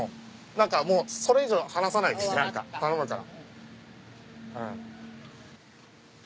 何かもうそれ以上話さないで頼むから。